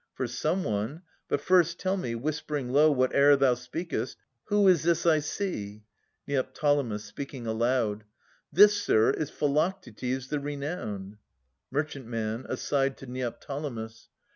For some one, — but first tell me, whispering low Whate'er thou speakest, — who is this I see? Neo. {^speaking aloud). This, sir, is Philoctetes the re nowned. Mer. {aside to Neoptolemus).